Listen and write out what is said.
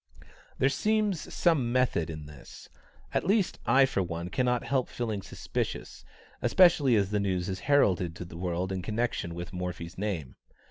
There seems some "method" in this; at least I for one cannot help feeling suspicious, especially as the news is heralded to the world in connection with Morphy's name.